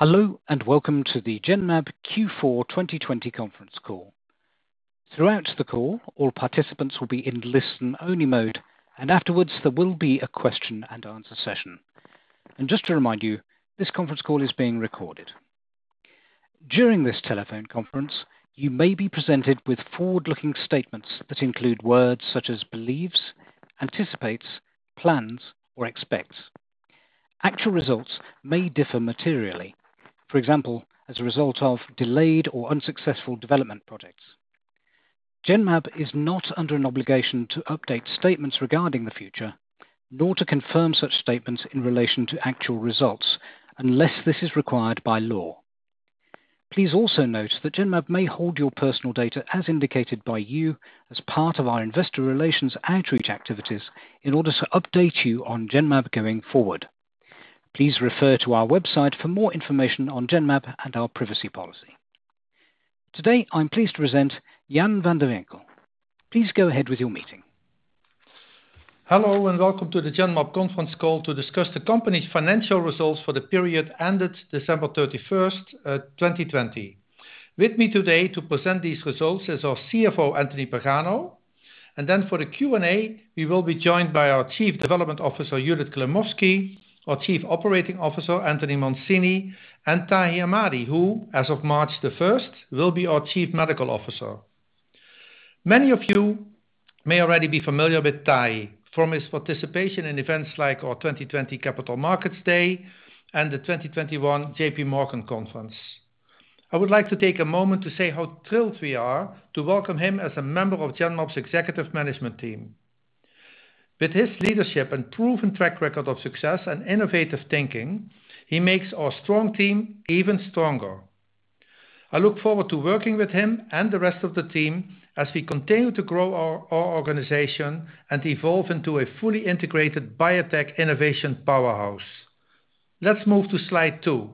Hello, welcome to the Genmab Q4 2020 conference call. Throughout the call, all participants will be in listen-only mode, and afterwards, there will be a question and answer session. Just to remind you, this conference call is being recorded. During this telephone conference, you may be presented with forward-looking statements that include words such as believes, anticipates, plans, or expects. Actual results may differ materially. For example, as a result of delayed or unsuccessful development projects. Genmab is not under an obligation to update statements regarding the future, nor to confirm such statements in relation to actual results unless this is required by law. Please also note that Genmab may hold your personal data as indicated by you as part of our investor relations outreach activities in order to update you on Genmab going forward. Please refer to our website for more information on Genmab and our privacy policy. Today, I'm pleased to present Jan van de Winkel. Please go ahead with your meeting. Hello, welcome to the Genmab conference call to discuss the company's financial results for the period ended December 31st, 2020. With me today to present these results is our CFO, Anthony Pagano, for the Q&A, we will be joined by our Chief Development Officer, Judith Klimovsky, our Chief Operating Officer, Anthony Mancini, and Tahamtan Ahmadi, who as of March the 1st, will be our Chief Medical Officer. Many of you may already be familiar with Tahi from his participation in events like our 2020 Capital Markets Day and the 2021 JPMorgan Conference. I would like to take a moment to say how thrilled we are to welcome him as a member of Genmab's executive management team. With his leadership and proven track record of success and innovative thinking, he makes our strong team even stronger. I look forward to working with him and the rest of the team as we continue to grow our organization and evolve into a fully integrated biotech innovation powerhouse. Let's move to slide two.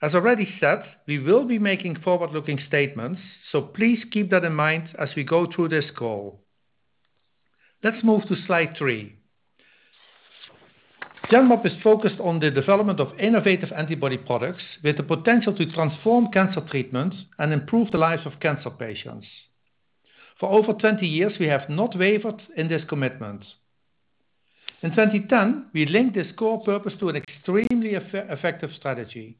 As already said, we will be making forward-looking statements, so please keep that in mind as we go through this call. Let's move to slide three. Genmab is focused on the development of innovative antibody products with the potential to transform cancer treatments and improve the lives of cancer patients. For over 20 years, we have not wavered in this commitment. In 2010, we linked this core purpose to an extremely effective strategy.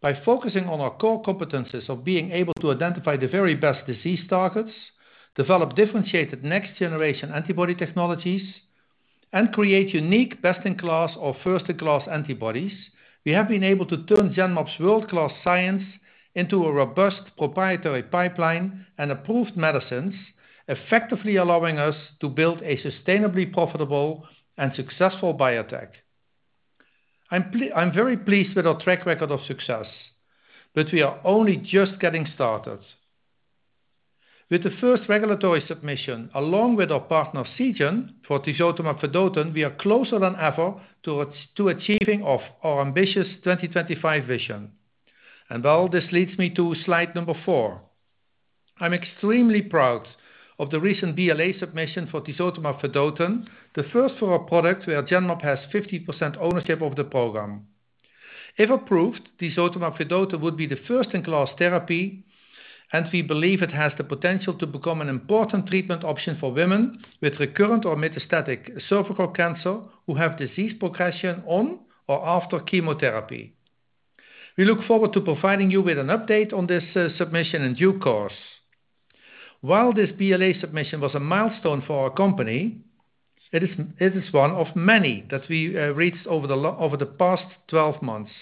By focusing on our core competencies of being able to identify the very best disease targets, develop differentiated next-generation antibody technologies, and create unique best-in-class or first-in-class antibodies, we have been able to turn Genmab's world-class science into a robust proprietary pipeline and approved medicines, effectively allowing us to build a sustainably profitable and successful biotech. I'm very pleased with our track record of success, but we are only just getting started. With the first regulatory submission, along with our partner Seagen for tisotumab vedotin, we are closer than ever to achieving of our ambitious 2025 vision. All this leads me to slide number four. I'm extremely proud of the recent BLA submission for tisotumab vedotin, the first for a product where Genmab has 50% ownership of the program. If approved, tisotumab vedotin would be the first in class therapy, and we believe it has the potential to become an important treatment option for women with recurrent or metastatic cervical cancer who have disease progression on or after chemotherapy. We look forward to providing you with an update on this submission in due course. While this BLA submission was a milestone for our company, it is one of many that we reached over the past 12 months.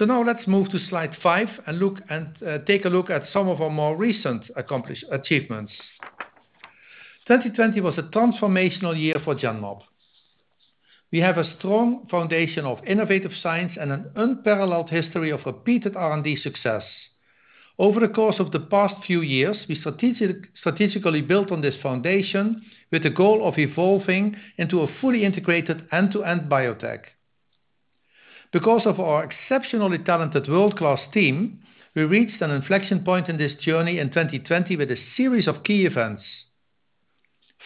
Now let's move to slide five and take a look at some of our more recent accomplishments. 2020 was a transformational year for Genmab. We have a strong foundation of innovative science and an unparalleled history of repeated R&D success. Over the course of the past few years, we strategically built on this foundation with the goal of evolving into a fully integrated end-to-end biotech. Because of our exceptionally talented world-class team, we reached an inflection point in this journey in 2020 with a series of key events.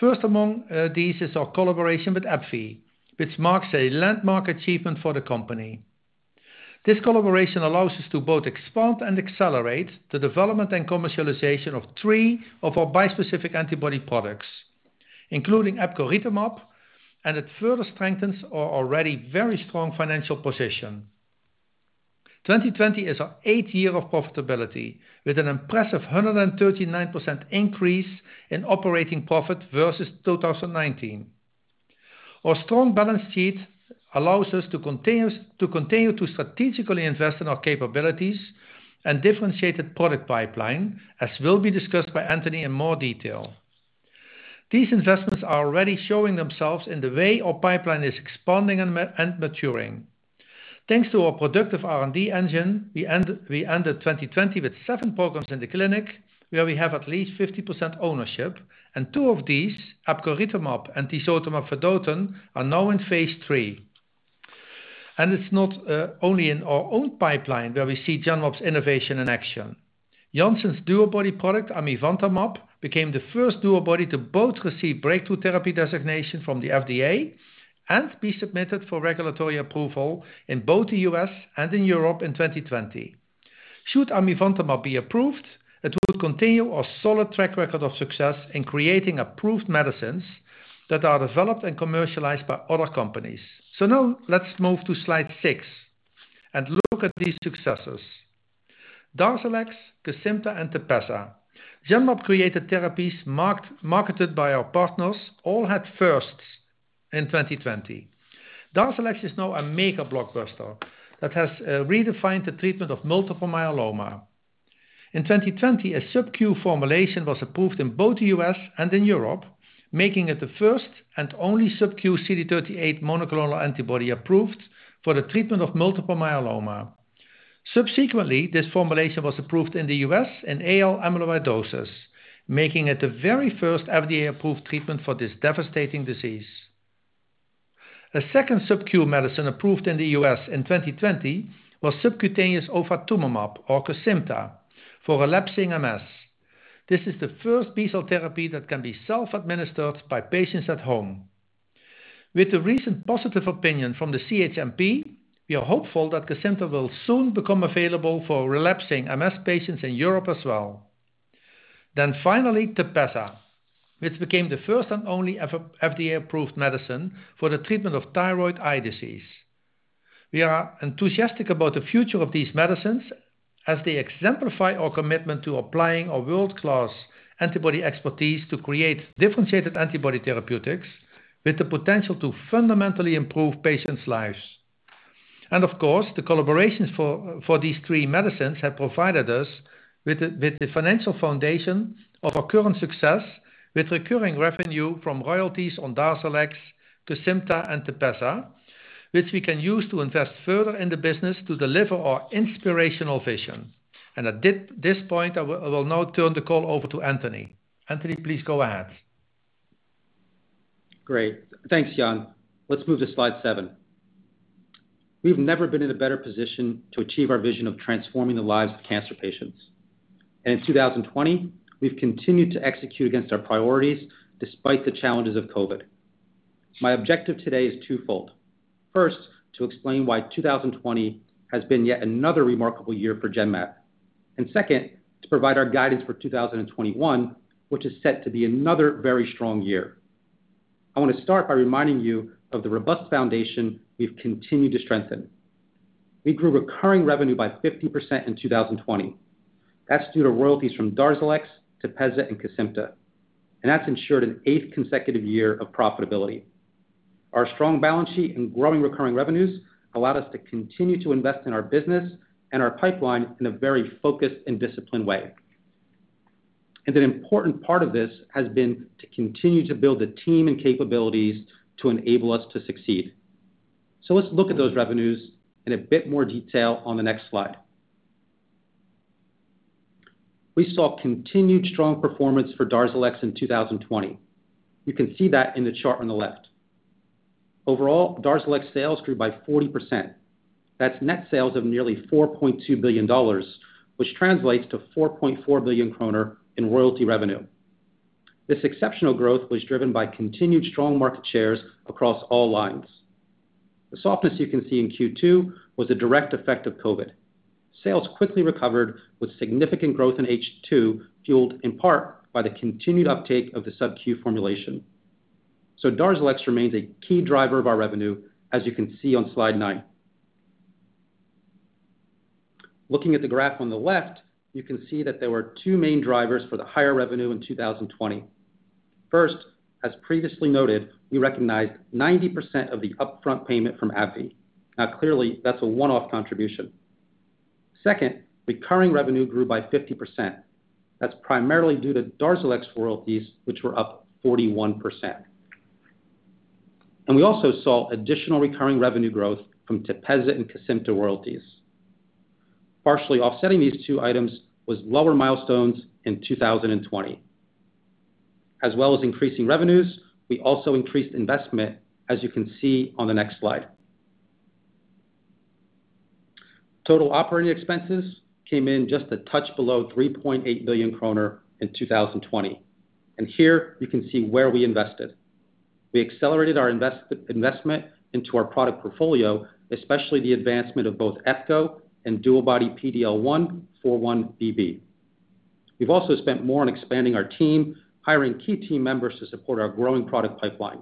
First among these is our collaboration with AbbVie, which marks a landmark achievement for the company. This collaboration allows us to both expand and accelerate the development and commercialization of three of our bispecific antibody products, including epcoritamab. It further strengthens our already very strong financial position. 2020 is our eighth year of profitability with an impressive 139% increase in operating profit versus 2019. Our strong balance sheet allows us to continue to strategically invest in our capabilities and differentiated product pipeline, as will be discussed by Anthony in more detail. These investments are already showing themselves in the way our pipeline is expanding and maturing. Thanks to our productive R&D engine, we ended 2020 with seven programs in the clinic where we have at least 50% ownership. Two of these, epcoritamab and tisotumab vedotin, are now in phase III. It's not only in our own pipeline where we see Genmab's innovation in action. Janssen's DuoBody product, amivantamab, became the first DuoBody to both receive breakthrough therapy designation from the FDA and be submitted for regulatory approval in both the U.S. and in Europe in 2020. Should amivantamab be approved, it would continue our solid track record of success in creating approved medicines that are developed and commercialized by other companies. Now let's move to slide six and look at these successes. DARZALEX, KESIMPTA, and TEPEZZA, Genmab-created therapies marketed by our partners all had firsts in 2020. DARZALEX is now a mega blockbuster that has redefined the treatment of multiple myeloma. In 2020, a subQ formulation was approved in both the U.S. and in Europe, making it the first and only subQ CD38 monoclonal antibody approved for the treatment of multiple myeloma. Subsequently, this formulation was approved in the U.S. in AL amyloidosis, making it the very first FDA-approved treatment for this devastating disease. A second subQ medicine approved in the U.S. in 2020 was subcutaneous ofatumumab, or KESIMPTA, for relapsing MS. This is the first B-cell therapy that can be self-administered by patients at home. With the recent positive opinion from the CHMP, we are hopeful that KESIMPTA will soon become available for relapsing MS patients in Europe as well. Finally, TEPEZZA, which became the first and only FDA-approved medicine for the treatment of thyroid eye disease. We are enthusiastic about the future of these medicines as they exemplify our commitment to applying our world-class antibody expertise to create differentiated antibody therapeutics with the potential to fundamentally improve patients' lives. Of course, the collaborations for these three medicines have provided us with the financial foundation of our current success with recurring revenue from royalties on DARZALEX, KESIMPTA, and TEPEZZA, which we can use to invest further in the business to deliver our inspirational vision. At this point, I will now turn the call over to Anthony. Anthony, please go ahead. Great. Thanks, Jan. Let's move to slide seven. We've never been in a better position to achieve our vision of transforming the lives of cancer patients. In 2020, we've continued to execute against our priorities despite the challenges of COVID. My objective today is twofold. First, to explain why 2020 has been yet another remarkable year for Genmab, and second, to provide our guidance for 2021, which is set to be another very strong year. I want to start by reminding you of the robust foundation we've continued to strengthen. We grew recurring revenue by 50% in 2020. That's due to royalties from DARZALEX, TEPEZZA, and KESIMPTA, and that's ensured an eighth consecutive year of profitability. Our strong balance sheet and growing recurring revenues allowed us to continue to invest in our business and our pipeline in a very focused and disciplined way. An important part of this has been to continue to build the team and capabilities to enable us to succeed. Let's look at those revenues in a bit more detail on the next slide. We saw continued strong performance for DARZALEX in 2020. You can see that in the chart on the left. Overall, DARZALEX sales grew by 40%. That's net sales of nearly $4.2 billion, which translates to 4.4 billion kroner in royalty revenue. This exceptional growth was driven by continued strong market shares across all lines. The softness you can see in Q2 was a direct effect of COVID. Sales quickly recovered with significant growth in H2, fueled in part by the continued uptake of the subQ formulation. DARZALEX remains a key driver of our revenue, as you can see on slide nine. Looking at the graph on the left, you can see that there were two main drivers for the higher revenue in 2020. First, as previously noted, we recognized 90% of the upfront payment from AbbVie. Now, clearly, that's a one-off contribution. Second, recurring revenue grew by 50%. That's primarily due to DARZALEX royalties, which were up 41%. We also saw additional recurring revenue growth from TEPEZZA and KESIMPTA royalties. Partially offsetting these two items was lower milestones in 2020. As well as increasing revenues, we also increased investment, as you can see on the next slide. Total operating expenses came in just a touch below 3.8 billion kroner in 2020, and here you can see where we invested. We accelerated our investment into our product portfolio, especially the advancement of both Epco and DuoBody PD-L1x4-1BB. We've also spent more on expanding our team, hiring key team members to support our growing product pipeline.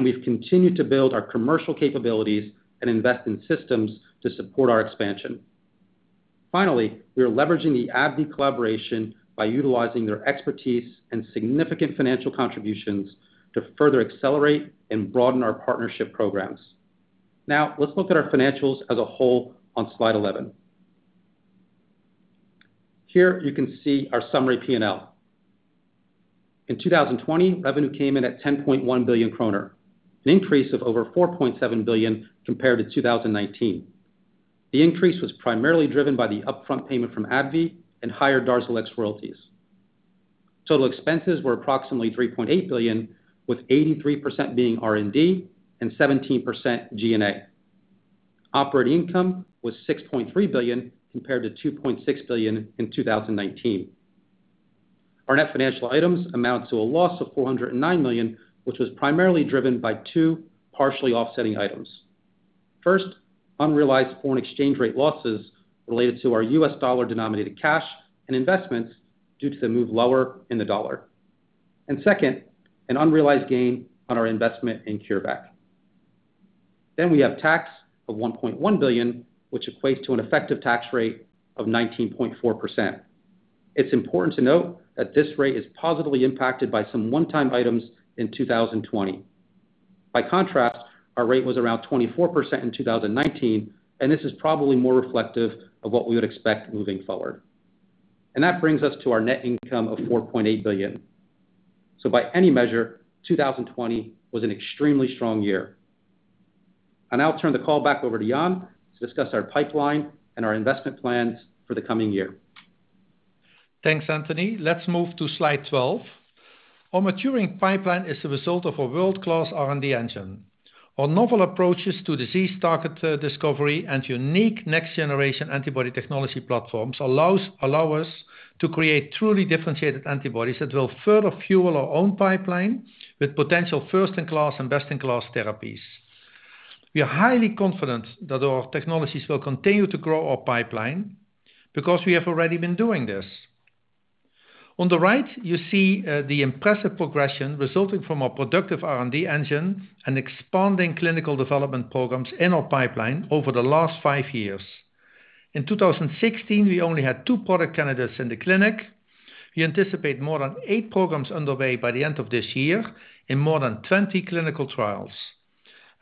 We've continued to build our commercial capabilities and invest in systems to support our expansion. Finally, we are leveraging the AbbVie collaboration by utilizing their expertise and significant financial contributions to further accelerate and broaden our partnership programs. Now, let's look at our financials as a whole on slide 11. Here you can see our summary P&L. In 2020, revenue came in at 10.1 billion kroner, an increase of over 4.7 billion compared to 2019. The increase was primarily driven by the upfront payment from AbbVie and higher DARZALEX royalties. Total expenses were approximately 3.8 billion, with 83% being R&D and 17% G&A. Operating income was 6.3 billion, compared to 2.6 billion in 2019. Our net financial items amount to a loss of 409 million, which was primarily driven by two partially offsetting items. First, unrealized foreign exchange rate losses related to our U.S. dollar-denominated cash and investments due to the move lower in the dollar. Second, an unrealized gain on our investment in CureVac. We have tax of 1.1 billion, which equates to an effective tax rate of 19.4%. It's important to note that this rate is positively impacted by some one-time items in 2020. By contrast, our rate was around 24% in 2019, and this is probably more reflective of what we would expect moving forward. That brings us to our net income of 4.8 billion. By any measure, 2020 was an extremely strong year. I now turn the call back over to Jan to discuss our pipeline and our investment plans for the coming year. Thanks, Anthony. Let's move to slide 12. Our maturing pipeline is the result of a world-class R&D engine. Our novel approaches to disease target discovery and unique next-generation antibody technology platforms allow us to create truly differentiated antibodies that will further fuel our own pipeline with potential first-in-class and best-in-class therapies. We are highly confident that our technologies will continue to grow our pipeline because we have already been doing this. On the right, you see the impressive progression resulting from our productive R&D engine and expanding clinical development programs in our pipeline over the last five years. In 2016, we only had two product candidates in the clinic. We anticipate more than eight programs underway by the end of this year in more than 20 clinical trials.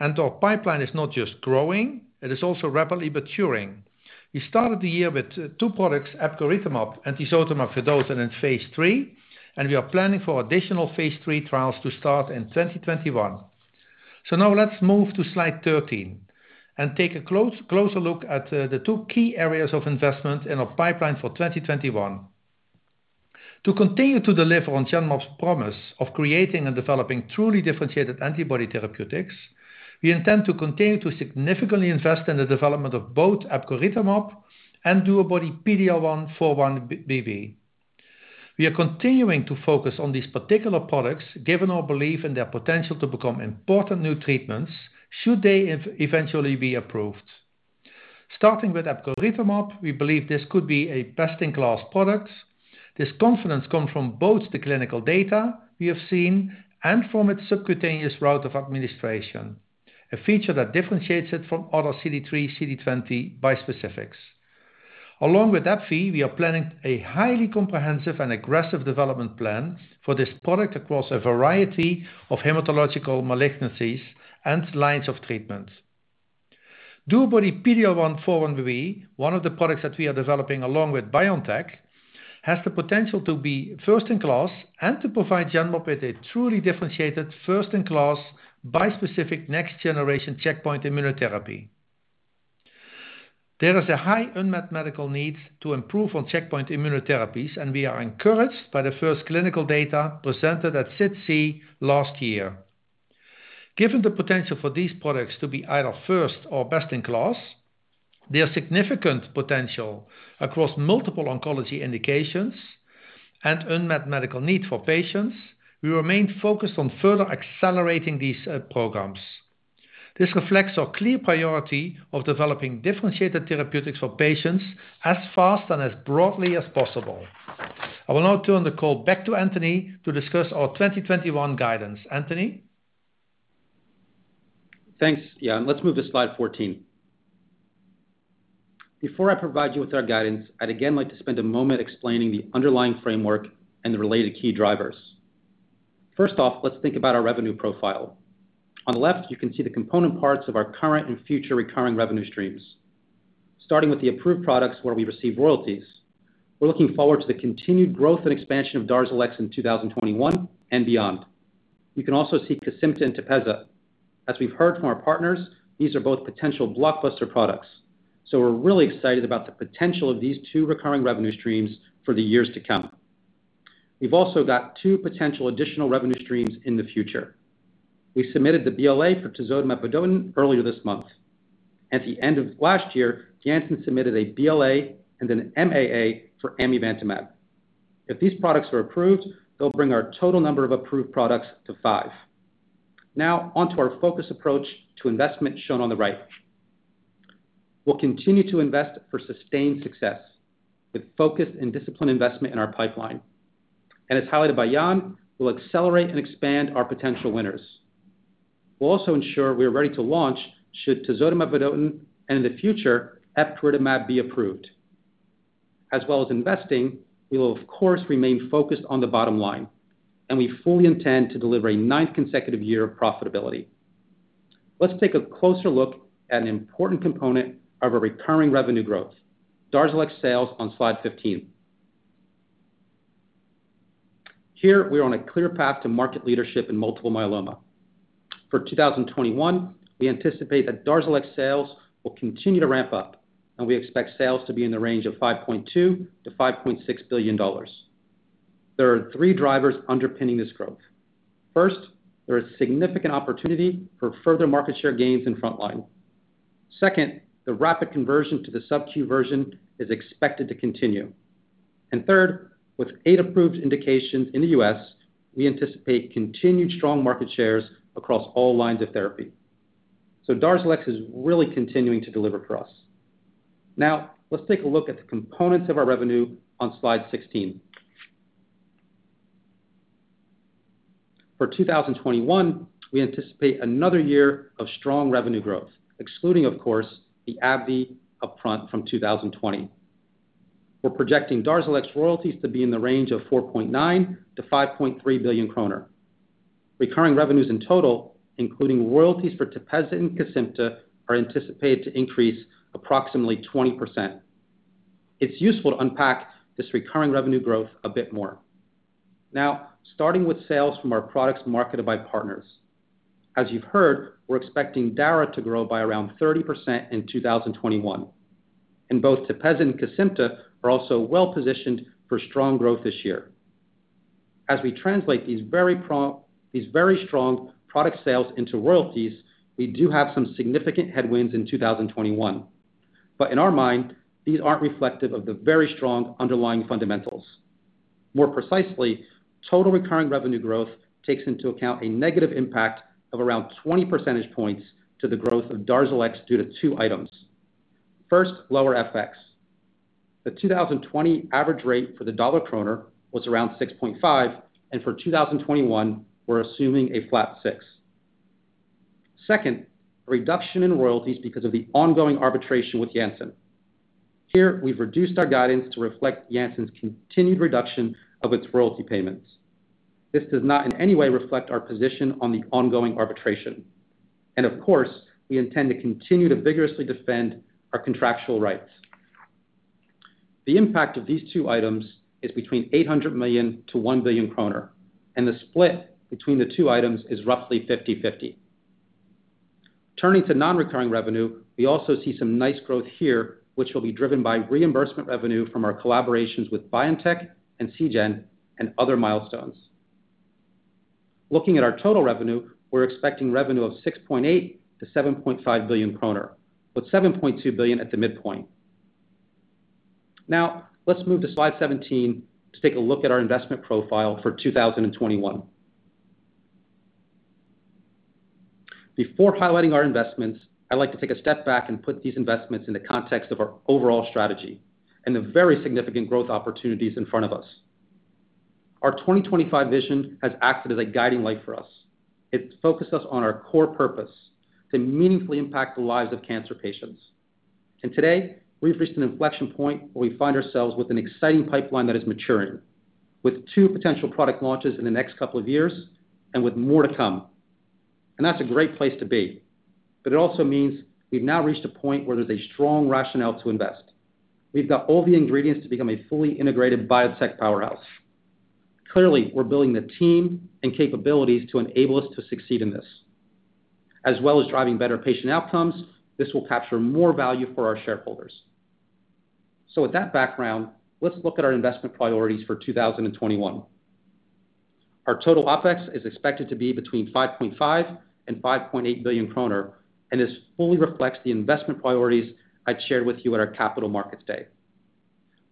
And our pipeline is not just growing, it is also rapidly maturing. We started the year with two products, epcoritamab and tisotumab vedotin in phase III. We are planning for additional phase III trials to start in 2021. Now let's move to slide 13 and take a closer look at the two key areas of investment in our pipeline for 2021. To continue to deliver on Genmab's promise of creating and developing truly differentiated antibody therapeutics, we intend to continue to significantly invest in the development of both epcoritamab and DuoBody PD-L1x4-1BB. We are continuing to focus on these particular products, given our belief in their potential to become important new treatments should they eventually be approved. Starting with epcoritamab, we believe this could be a best-in-class product. This confidence comes from both the clinical data we have seen and from its subcutaneous route of administration, a feature that differentiates it from other CD3/CD20 bispecifics. Along with AbbVie, we are planning a highly comprehensive and aggressive development plan for this product across a variety of hematological malignancies and lines of treatment. DuoBody PD-L1x4-1BB, one of the products that we are developing along with BioNTech, has the potential to be first-in-class and to provide Genmab with a truly differentiated first-in-class bispecific next-generation checkpoint immunotherapy. There is a high unmet medical need to improve on checkpoint immunotherapies. We are encouraged by the first clinical data presented at SITC last year. Given the potential for these products to be either first or best-in-class, their significant potential across multiple oncology indications and unmet medical need for patients, we remain focused on further accelerating these programs. This reflects our clear priority of developing differentiated therapeutics for patients as fast and as broadly as possible. I will now turn the call back to Anthony to discuss our 2021 guidance. Anthony? Thanks, Jan. Let's move to slide 14. Before I provide you with our guidance, I'd again like to spend a moment explaining the underlying framework and the related key drivers. First off, let's think about our revenue profile. On the left, you can see the component parts of our current and future recurring revenue streams. Starting with the approved products where we receive royalties, we're looking forward to the continued growth and expansion of DARZALEX in 2021 and beyond. You can also see KESIMPTA and TEPEZZA. As we've heard from our partners, these are both potential blockbuster products. We're really excited about the potential of these two recurring revenue streams for the years to come. We've also got two potential additional revenue streams in the future. We submitted the BLA for tisotumab vedotin earlier this month. At the end of last year, Janssen submitted a BLA and an MAA for amivantamab. If these products are approved, they'll bring our total number of approved products to five. On to our focused approach to investment shown on the right. We'll continue to invest for sustained success with focused and disciplined investment in our pipeline. As highlighted by Jan, we'll accelerate and expand our potential winners. We'll also ensure we are ready to launch should tisotumab vedotin and, in the future, epcoritamab be approved. As well as investing, we will of course remain focused on the bottom line, and we fully intend to deliver a ninth consecutive year of profitability. Let's take a closer look at an important component of our recurring revenue growth, DARZALEX sales on slide 15. Here, we are on a clear path to market leadership in multiple myeloma. For 2021, we anticipate that DARZALEX sales will continue to ramp up, and we expect sales to be in the range of DKK 5.2 billion-DKK 5.6 billion. There are three drivers underpinning this growth. First, there is significant opportunity for further market share gains in frontline. Second, the rapid conversion to the subQ version is expected to continue. Third, with eight approved indications in the U.S., we anticipate continued strong market shares across all lines of therapy. DARZALEX is really continuing to deliver for us. Now, let's take a look at the components of our revenue on slide 16. For 2021, we anticipate another year of strong revenue growth, excluding, of course, the AbbVie upfront from 2020. We're projecting DARZALEX royalties to be in the range of 4.9 billion-5.3 billion kroner. Recurring revenues in total, including royalties for TEPEZZA and KESIMPTA, are anticipated to increase approximately 20%. It's useful to unpack this recurring revenue growth a bit more. Starting with sales from our products marketed by partners. As you've heard, we're expecting Dara to grow by around 30% in 2021, and both TEPEZZA and KESIMPTA are also well-positioned for strong growth this year. As we translate these very strong product sales into royalties, we do have some significant headwinds in 2021. In our mind, these aren't reflective of the very strong underlying fundamentals. More precisely, total recurring revenue growth takes into account a negative impact of around 20 percentage points to the growth of DARZALEX due to two items. First, lower FX. The 2020 average rate for the dollar-kroner was around 6.5, and for 2021, we're assuming a flat six. A reduction in royalties because of the ongoing arbitration with Janssen. We've reduced our guidance to reflect Janssen's continued reduction of its royalty payments. This does not in any way reflect our position on the ongoing arbitration. Of course, we intend to continue to vigorously defend our contractual rights. The impact of these two items is between 800 million-1 billion kroner, the split between the two items is roughly 50/50. Turning to non-recurring revenue, we also see some nice growth here, which will be driven by reimbursement revenue from our collaborations with BioNTech and Seagen and other milestones. Looking at our total revenue, we're expecting revenue of 6.8 billion-7.5 billion kroner, with 7.2 billion at the midpoint. Let's move to slide 17 to take a look at our investment profile for 2021. Before highlighting our investments, I'd like to take a step back and put these investments in the context of our overall strategy and the very significant growth opportunities in front of us. Our 2025 vision has acted as a guiding light for us. It's focused us on our core purpose to meaningfully impact the lives of cancer patients. Today, we've reached an inflection point where we find ourselves with an exciting pipeline that is maturing, with two potential product launches in the next couple of years and with more to come. That's a great place to be. It also means we've now reached a point where there's a strong rationale to invest. We've got all the ingredients to become a fully integrated biotech powerhouse. Clearly, we're building the team and capabilities to enable us to succeed in this. As well as driving better patient outcomes, this will capture more value for our shareholders. With that background, let's look at our investment priorities for 2021. Our total OpEx is expected to be between 5.5 billion and 5.8 billion kroner. This fully reflects the investment priorities I shared with you at our Capital Markets Day.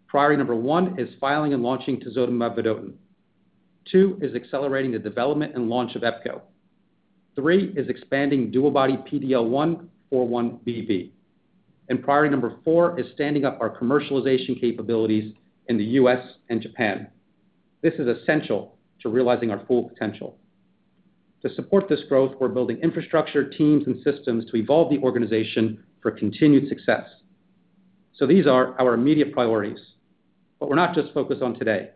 Priority number one is filing and launching tisotumab vedotin. Two is accelerating the development and launch of Epco. Three is expanding DuoBody PD-L1x4-1BB. Priority number four is standing up our commercialization capabilities in the U.S. and Japan. This is essential to realizing our full potential. To support this growth, we're building infrastructure, teams, and systems to evolve the organization for continued success. These are our immediate priorities. We're not just focused on today.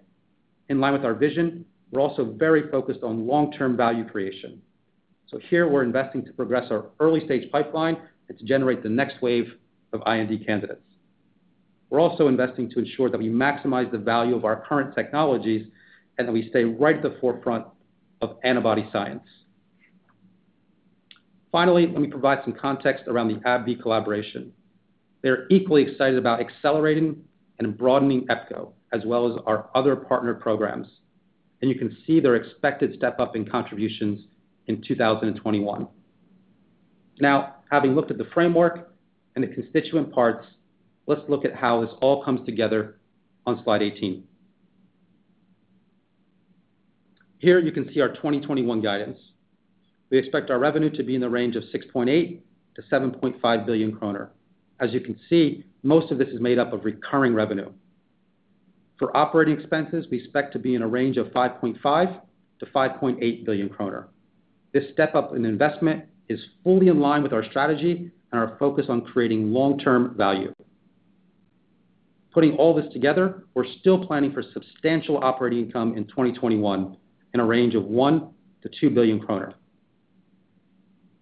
In line with our vision, we're also very focused on long-term value creation. Here we're investing to progress our early-stage pipeline and to generate the next wave of IND candidates. We're also investing to ensure that we maximize the value of our current technologies and that we stay right at the forefront of antibody science. Finally, let me provide some context around the AbbVie collaboration. They're equally excited about accelerating and broadening Epco, as well as our other partner programs, and you can see their expected step-up in contributions in 2021. Having looked at the framework and the constituent parts, let's look at how this all comes together on slide 18. Here you can see our 2021 guidance. We expect our revenue to be in the range of 6.8 billion-7.5 billion kroner. As you can see, most of this is made up of recurring revenue. For operating expenses, we expect to be in a range of 5.5 billion-5.8 billion kroner. This step-up in investment is fully in line with our strategy and our focus on creating long-term value. Putting all this together, we're still planning for substantial operating income in 2021 in a range of 1 billion-2 billion kroner.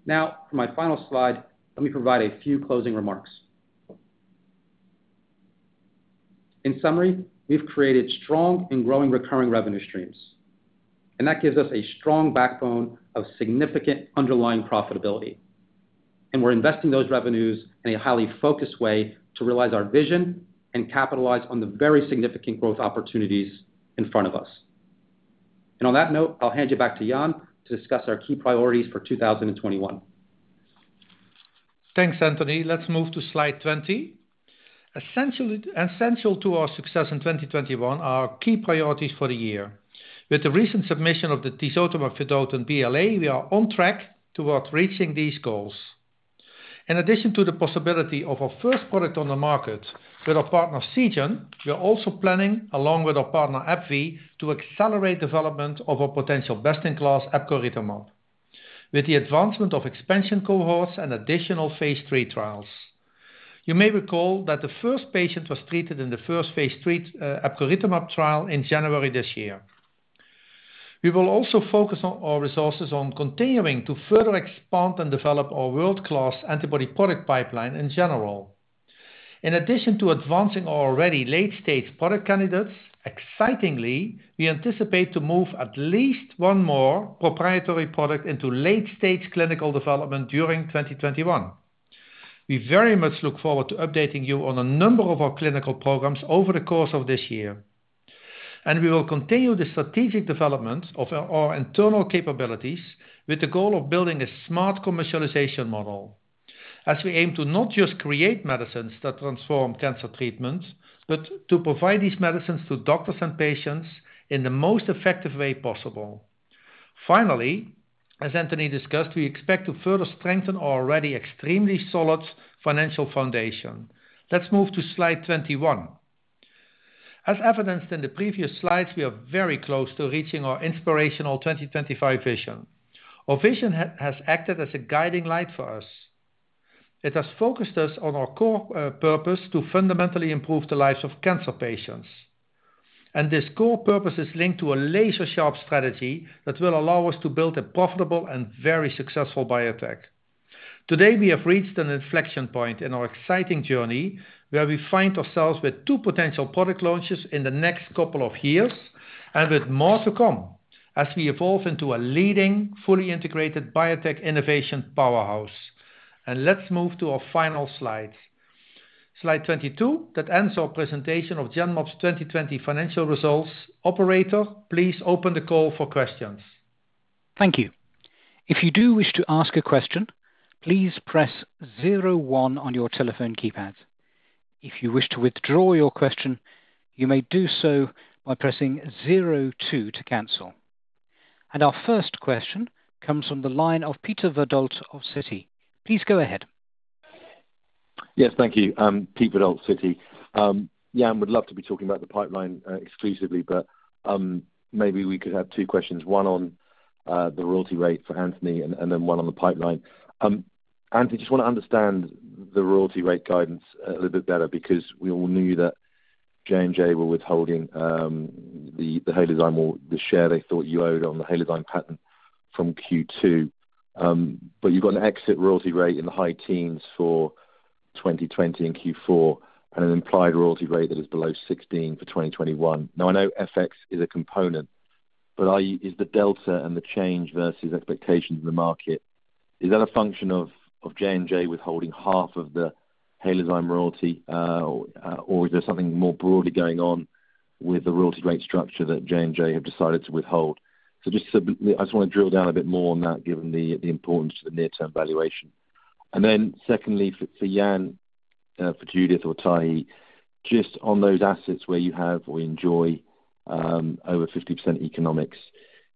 Now, for my final slide, let me provide a few closing remarks. In summary, we've created strong and growing recurring revenue streams, that gives us a strong backbone of significant underlying profitability. We're investing those revenues in a highly focused way to realize our vision and capitalize on the very significant growth opportunities in front of us. On that note, I'll hand you back to Jan to discuss our key priorities for 2021. Thanks, Anthony. Let's move to slide 20. Essential to our success in 2021 are our key priorities for the year. With the recent submission of the tisotumab vedotin BLA, we are on track towards reaching these goals. In addition to the possibility of our first product on the market with our partner Seagen, we are also planning, along with our partner AbbVie, to accelerate development of our potential best-in-class epcoritamab with the advancement of expansion cohorts and additional phase III trials. You may recall that the first patient was treated in the first phase III epcoritamab trial in January this year. We will also focus our resources on continuing to further expand and develop our world-class antibody product pipeline in general. In addition to advancing our already late-stage product candidates, excitingly, we anticipate to move at least one more proprietary product into late-stage clinical development during 2021. We very much look forward to updating you on a number of our clinical programs over the course of this year. We will continue the strategic development of our internal capabilities with the goal of building a smart commercialization model as we aim to not just create medicines that transform cancer treatment, but to provide these medicines to doctors and patients in the most effective way possible. Finally, as Anthony discussed, we expect to further strengthen our already extremely solid financial foundation. Let's move to slide 21. As evidenced in the previous slides, we are very close to reaching our inspirational 2025 vision. Our vision has acted as a guiding light for us. It has focused us on our core purpose to fundamentally improve the lives of cancer patients. This core purpose is linked to a laser-sharp strategy that will allow us to build a profitable and very successful biotech. Today, we have reached an inflection point in our exciting journey, where we find ourselves with two potential product launches in the next couple of years, and with more to come as we evolve into a leading, fully integrated biotech innovation powerhouse. Let's move to our final slide 22, that ends our presentation of Genmab's 2020 financial results. Operator, please open the call for questions. Thank you. If you do wish to ask a question, please press zero one on your telephone keypad. If you wish to withdraw your question, you may do so by pressing zero two to cancel. Our first question comes from the line of Peter Verdult of Citi. Please go ahead. Yes. Thank you. Peter Verdult, Citi. Jan, would love to be talking about the pipeline exclusively. Maybe we could have two questions, one on the royalty rate for Anthony and then one on the pipeline. Anthony, just want to understand the royalty rate guidance a little bit better because we all knew that J&J were withholding the Halozyme, or the share they thought you owed on the Halozyme patent from Q2. You've got an exit royalty rate in the high teens for 2020 in Q4, and an implied royalty rate that is below 16 for 2021. I know FX is a component. Is the delta and the change versus expectations in the market, is that a function of J&J withholding half of the Halozyme royalty, or is there something more broadly going on with the royalty rate structure that J&J have decided to withhold? I just want to drill down a bit more on that given the importance to the near-term valuation. Secondly, for Jan, for Judith or Tahi, just on those assets where you have or enjoy over 50% economics,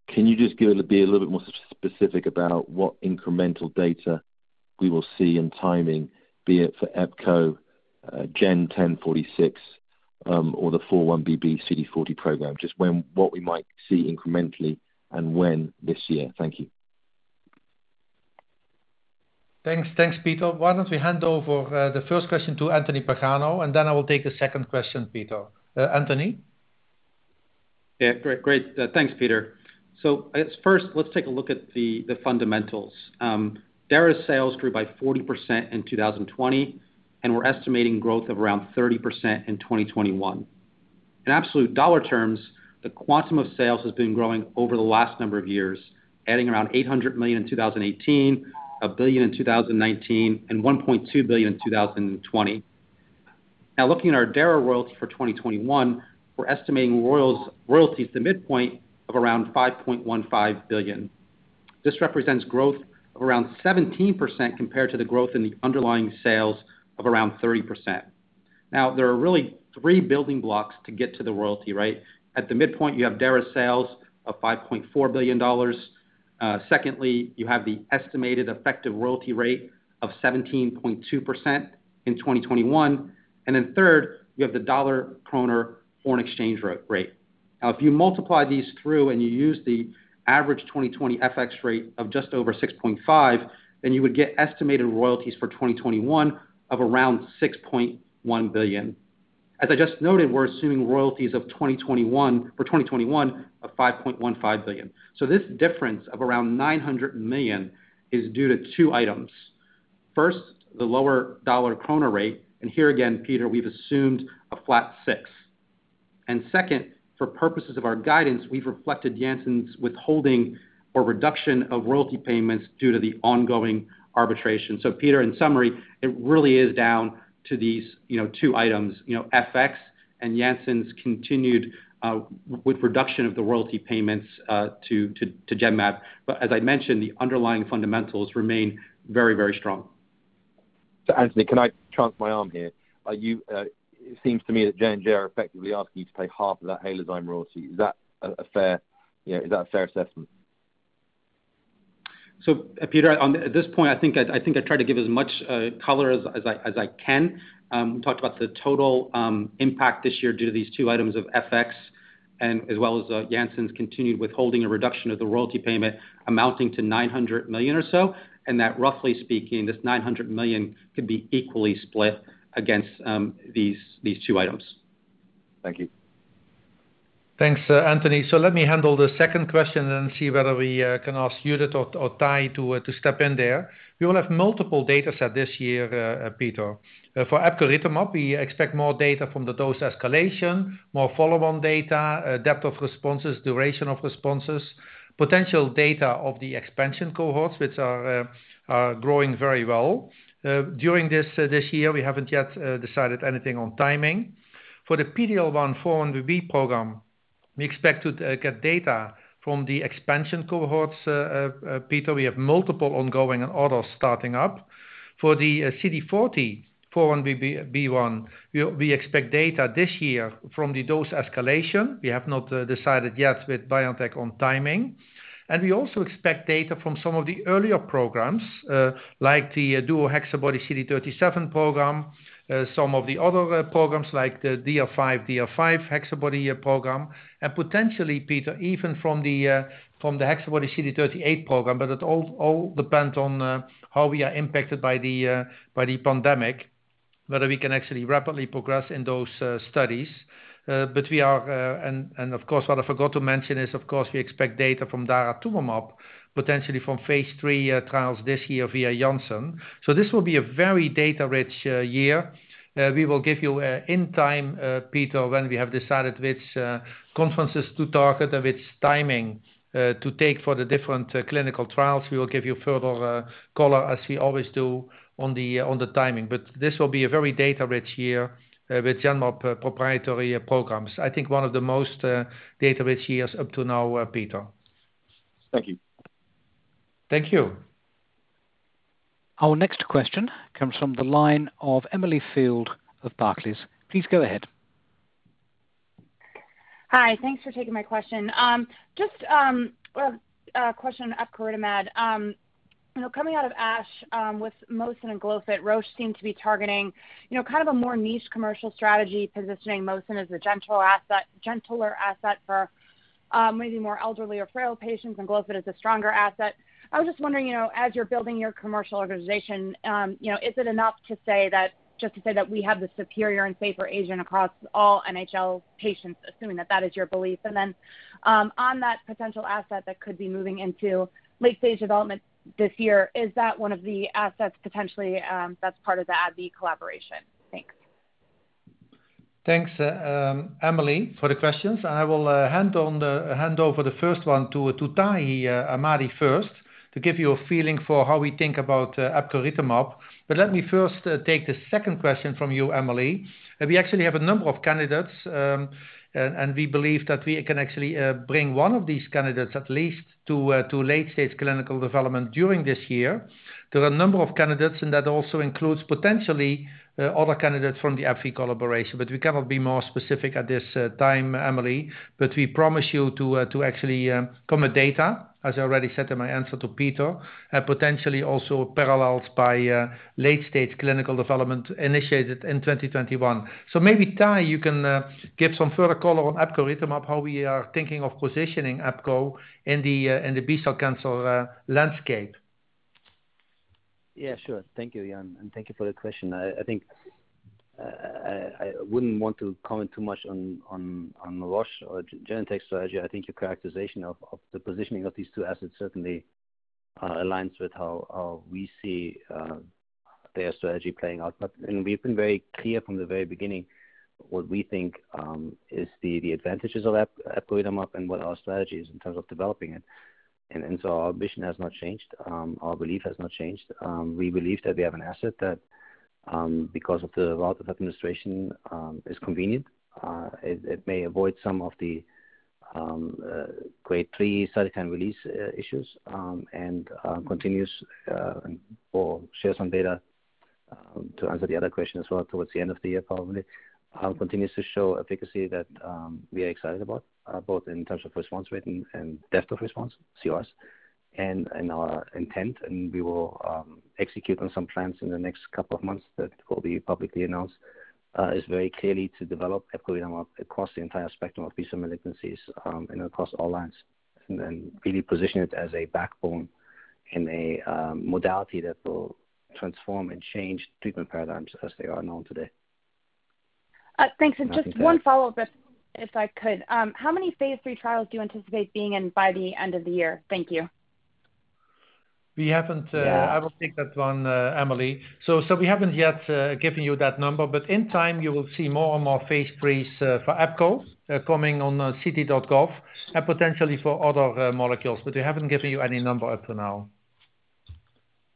can you just be a little bit more specific about what incremental data we will see and timing, be it for Epco, GEN-1046, or the 4-1BB CD40 program? Just what we might see incrementally and when this year. Thank you. Thanks. Thanks, Peter. Why don't we hand over the first question to Anthony Pagano, and then I will take the second question, Peter. Anthony? Yeah. Great. Thanks, Peter. First, let's take a look at the fundamentals. DARZALEX sales grew by 40% in 2020. We're estimating growth of around 30% in 2021. In absolute dollar terms, the quantum of sales has been growing over the last number of years, adding around 800 million in 2018, 1 billion in 2019, and 1.2 billion in 2020. Looking at our DARZALEX royalty for 2021, we're estimating royalties to midpoint of around 5.15 billion. This represents growth of around 17% compared to the growth in the underlying sales of around 30%. There are really three building blocks to get to the royalty rate. At the midpoint, you have DARZALEX sales of $5.4 billion. Secondly, you have the estimated effective royalty rate of 17.2% in 2021. Third, you have the dollar-kroner foreign exchange rate. If you multiply these through and you use the average 2020 FX rate of just over 6.5, then you would get estimated royalties for 2021 of around 6.1 billion. As I just noted, we're assuming royalties for 2021 of 5.15 billion. This difference of around 900 million is due to two items. First, the lower dollar-kroner rate, and here again, Peter, we've assumed a flat six. Second, for purposes of our guidance, we've reflected Janssen's withholding or reduction of royalty payments due to the ongoing arbitration. Peter, in summary, it really is down to these two items, FX and Janssen's continued reduction of the royalty payments to Genmab. As I mentioned, the underlying fundamentals remain very strong. Anthony, can I chance my arm here? It seems to me that J&J are effectively asking you to pay half of that Halozyme royalty. Is that a fair assessment? Peter, at this point, I think I tried to give as much color as I can. We talked about the total impact this year due to these two items of FX and as well as Janssen's continued withholding a reduction of the royalty payment amounting to 900 million or so, and that roughly speaking, this 900 million could be equally split against these two items. Thank you. Thanks, Anthony. Let me handle the second question and see whether we can ask Judith or Tahi to step in there. We will have multiple data set this year, Peter. For epcoritamab, we expect more data from the dose escalation, more follow-on data, depth of responses, duration of responses, potential data of the expansion cohorts, which are growing very well. During this year, we haven't yet decided anything on timing. For the PD-L1x4-1BB program, we expect to get data from the expansion cohorts, Peter. We have multiple ongoing and others starting up. For the CD40, 4-1BB, we expect data this year from the dose escalation. We have not decided yet with BioNTech on timing. We also expect data from some of the earlier programs, like the DuoHexaBody-CD37 program, some of the other programs like the HexaBody-DR5/DR5 program, and potentially, Peter, even from the HexaBody-CD38 program. It all depends on how we are impacted by the pandemic, whether we can actually rapidly progress in those studies. Of course, what I forgot to mention is, of course, we expect data from daratumumab, potentially from phase III trials this year via Janssen. This will be a very data-rich year. We will give you in time, Peter, when we have decided which conferences to target and which timing to take for the different clinical trials. We will give you further color as we always do on the timing. This will be a very data-rich year with Genmab proprietary programs. I think one of the most data-rich years up to now, Peter. Thank you. Thank you. Our next question comes from the line of Emily Field of Barclays. Please go ahead. Hi, thanks for taking my question. Just a question on epcoritamab. Coming out of ASH with mosunetuzumab and glofitamab, Roche seemed to be targeting, kind of a more niche commercial strategy positioning mosunetuzumab as a gentle asset, gentler asset for maybe more elderly or frail patients and glofitamab as a stronger asset. I was just wondering, as you're building your commercial organization, is it enough just to say that we have the superior and safer agent across all NHL patients, assuming that that is your belief? On that potential asset that could be moving into late-stage development this year, is that one of the assets potentially that's part of the AbbVie collaboration? Thanks. Thanks, Emily, for the questions. I will hand over the first one to Tahi Ahmadi first to give you a feeling for how we think about epcoritamab. Let me first take the second question from you, Emily. We actually have a number of candidates, and we believe that we can actually bring one of these candidates at least to late-stage clinical development during this year. There are a number of candidates, and that also includes, potentially, other candidates from the AbbVie collaboration. We cannot be more specific at this time, Emily. We promise you to actually commit data, as I already said in my answer to Peter, and potentially also parallels by late-stage clinical development initiated in 2021. Maybe, Tahi, you can give some further color on epcoritamab, how we are thinking of positioning Epco in the B-cell cancer landscape. Yes, sure. Thank you, Jan. Thank you for the question. I think I wouldn't want to comment too much on Roche or Genentech strategy. I think your characterization of the positioning of these two assets certainly aligns with how we see their strategy playing out. We've been very clear from the very beginning what we think is the advantages of epcoritamab and what our strategy is in terms of developing it. Our mission has not changed. Our belief has not changed. We believe that we have an asset that, because of the route of administration, is convenient. It may avoid some of the grade 3 cytokine release issues and continues or share some data, to answer the other question as well, towards the end of the year, probably. Continues to show efficacy that we are excited about, both in terms of response rate and depth of response, CRS. Our intent, and we will execute on some plans in the next couple of months that will be publicly announced, is very clearly to develop epcoritamab across the entire spectrum of B-cell malignancies and across all lines, and really position it as a backbone in a modality that will transform and change treatment paradigms as they are known today. Thanks. Just one follow-up, if I could. How many phase III trials do you anticipate being in by the end of the year? Thank you. We haven't. I will take that one, Emily. We haven't yet given you that number, but in time you will see more and more phase IIIs for Epco coming on ClinicalTrials.gov and potentially for other molecules, but we haven't given you any number up to now.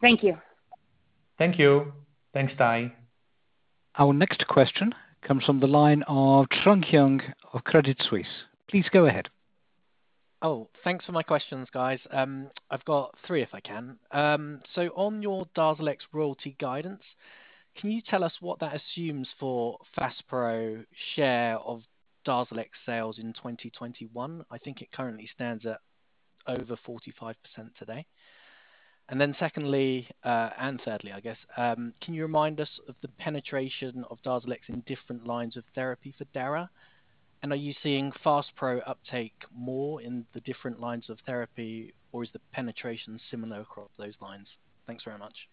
Thank you. Thank you. Thanks, Tahi. Our next question comes from the line of Trung Huynh of Credit Suisse. Please go ahead. Thanks for my questions, guys. I've got three if I can. On your DARZALEX royalty guidance, can you tell us what that assumes for DARZALEX FASPRO share of DARZALEX sales in 2021? I think it currently stands at over 45% today. Secondly, and thirdly, I guess, can you remind us of the penetration of DARZALEX in different lines of therapy for Dara? Are you seeing DARZALEX FASPRO uptake more in the different lines of therapy, or is the penetration similar across those lines? Thanks very much.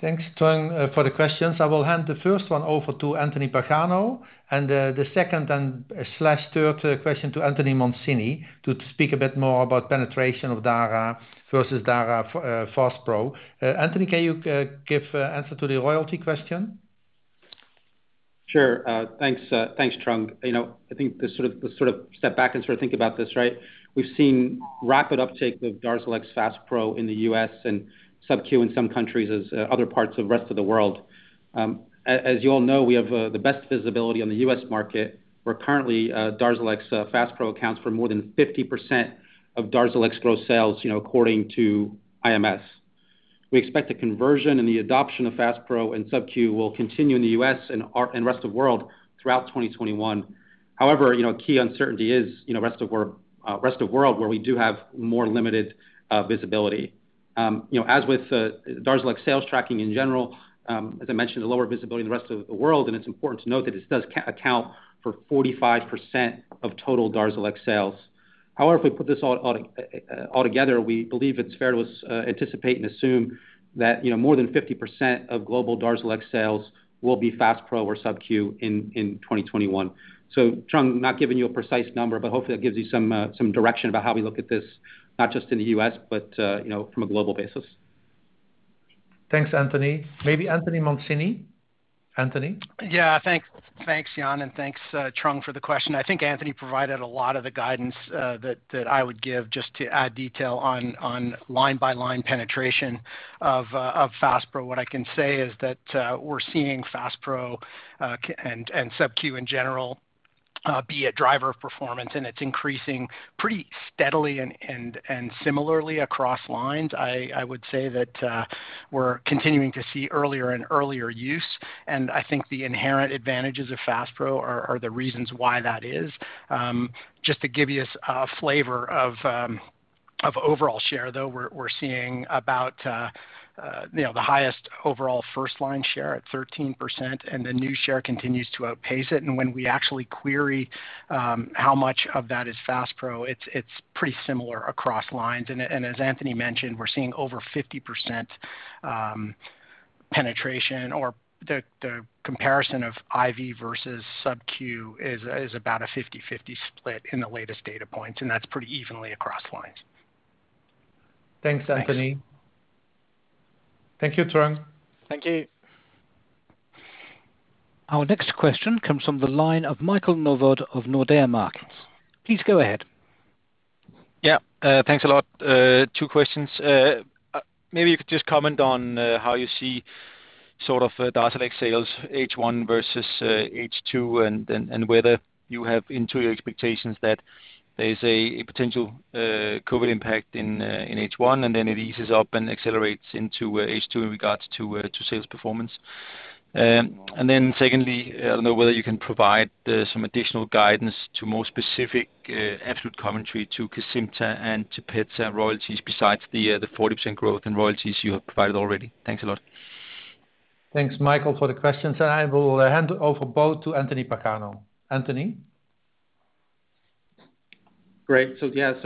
Thanks, Trung, for the questions. I will hand the first one over to Anthony Pagano and the second and slash third question to Anthony Mancini to speak a bit more about penetration of Dara versus Dara Faspro. Anthony, can you give answer to the royalty question? Sure. Thanks, Trung. I think let's sort of step back and sort of think about this, right? We've seen rapid uptake of DARZALEX FASPRO in the U.S. and subQ in some countries as other parts of the rest of the world. As you all know, we have the best visibility on the U.S. market, where currently DARZALEX FASPRO accounts for more than 50% of DARZALEX gross sales, according to IMS. We expect the conversion and the adoption of Faspro and subQ will continue in the U.S. and rest of world throughout 2021. A key uncertainty is rest of world, where we do have more limited visibility. As with DARZALEX sales tracking in general, as I mentioned, the lower visibility in the rest of the world, and it's important to note that it does account for 45% of total DARZALEX sales. However, if we put this all together, we believe it's fair to anticipate and assume that more than 50% of global DARZALEX sales will be FASPRO or subQ in 2021. Trung, I'm not giving you a precise number, but hopefully that gives you some direction about how we look at this, not just in the U.S., but from a global basis. Thanks, Anthony. Maybe Anthony Mancini. Anthony? Yeah. Thanks, Jan, and thanks, Trung, for the question. I think Anthony provided a lot of the guidance that I would give just to add detail on line-by-line penetration of Faspro. What I can say is that we're seeing Faspro, and subQ in general, be a driver of performance, and it's increasing pretty steadily and similarly across lines. I would say that we're continuing to see earlier and earlier use, and I think the inherent advantages of Faspro are the reasons why that is. Just to give you a flavor of overall share, though, we're seeing about the highest overall first-line share at 13%, and the new share continues to outpace it. When we actually query how much of that is Faspro, it's pretty similar across lines. As Anthony mentioned, we're seeing over 50% penetration, or the comparison of IV versus subQ is about a 50/50 split in the latest data points, and that's pretty evenly across lines. Thanks, Anthony. Thanks. Thank you, Trung. Thank you. Our next question comes from the line of Michael Novod of Nordea Markets. Please go ahead. Yeah. Thanks a lot. Two questions. Maybe you could just comment on how you see sort of DARZALEX sales H1 versus H2, and whether you have into your expectations that there is a potential COVID impact in H1, and then it eases up and accelerates into H2 with regards to sales performance. Then secondly, I don't know whether you can provide some additional guidance to more specific absolute commentary to KESIMPTA and to TEPEZZA royalties besides the 40% growth in royalties you have provided already. Thanks a lot. Thanks, Michael, for the questions. I will hand over both to Anthony Pagano. Anthony? Great.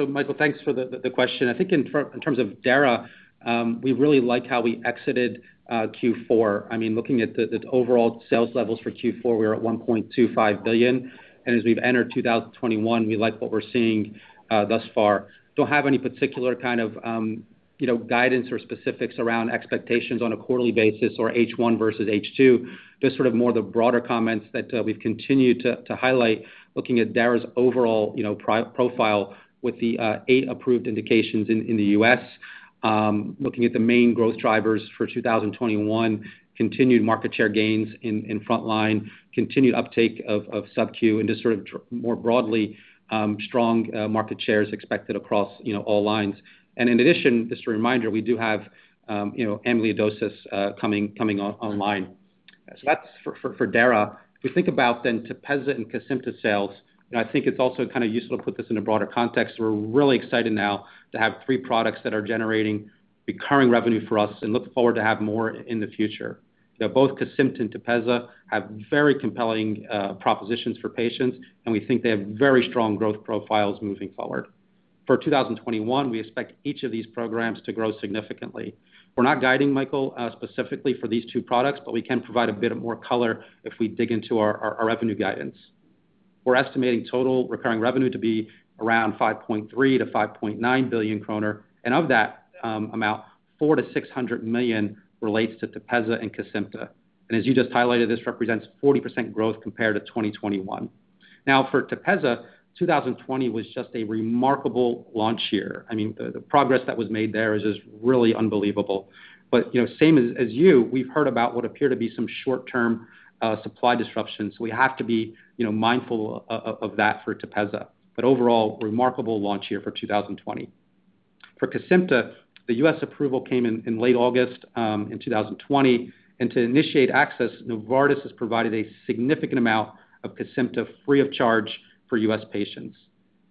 Michael, thanks for the question. I think in terms of Dara, we really like how we exited Q4. Looking at the overall sales levels for Q4, we were at 1.25 billion, and as we've entered 2021, we like what we're seeing thus far. Don't have any particular kind of guidance or specifics around expectations on a quarterly basis or H1 versus H2, just sort of more the broader comments that we've continued to highlight looking at Dara's overall profile with the eight approved indications in the U.S., looking at the main growth drivers for 2021, continued market share gains in frontline, continued uptake of subQ and just sort of more broadly, strong market share is expected across all lines. In addition, just a reminder, we do have AL amyloidosis coming online. That's for Dara. If we think about then TEPEZZA and KESIMPTA sales, and I think it's also kind of useful to put this in a broader context. We're really excited now to have three products that are generating recurring revenue for us and look forward to have more in the future. Both KESIMPTA and TEPEZZA have very compelling propositions for patients, and we think they have very strong growth profiles moving forward. For 2021, we expect each of these programs to grow significantly. We're not guiding, Michael, specifically for these two products, but we can provide a bit of more color if we dig into our revenue guidance. We're estimating total recurring revenue to be around 5.3 billion-5.9 billion kroner, and of that amount, 400 million-600 million relates to TEPEZZA and KESIMPTA. As you just highlighted, this represents 40% growth compared to 2021. Now, for TEPEZZA, 2020 was just a remarkable launch year. I mean, the progress that was made there is just really unbelievable. Same as you, we've heard about what appear to be some short-term supply disruptions. We have to be mindful of that for TEPEZZA. Overall, remarkable launch year for 2020. For KESIMPTA, the U.S. approval came in late August, in 2020, and to initiate access, Novartis has provided a significant amount of KESIMPTA free of charge for U.S. patients.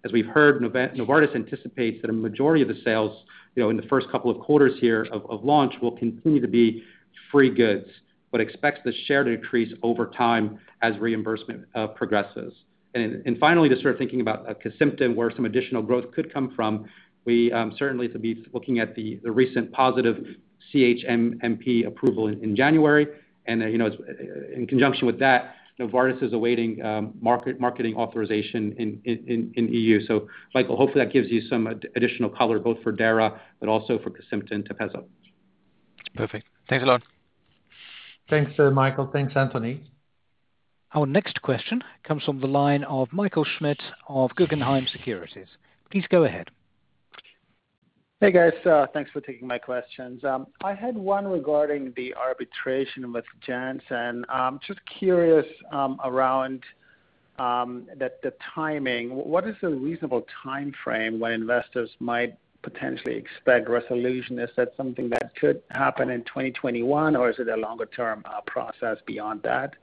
As we've heard, Novartis anticipates that a majority of the sales in the first couple of quarters here of launch will continue to be free goods, but expects the share to increase over time as reimbursement progresses. Finally, to start thinking about KESIMPTA and where some additional growth could come from, we certainly to be looking at the recent positive CHMP approval in January, and in conjunction with that, Novartis is awaiting marketing authorization in EU. Michael, hopefully that gives you some additional color, both for Dara but also for KESIMPTA and TEPEZZA. Perfect. Thanks a lot. Thanks, Michael. Thanks, Anthony. Our next question comes from the line of Michael Schmidt of Guggenheim Securities. Please go ahead. Hey, guys. Thanks for taking my questions. I had one regarding the arbitration with Janssen. Just curious around the timing. What is a reasonable timeframe where investors might potentially expect resolution? Is that something that could happen in 2021, or is it a longer-term process beyond that?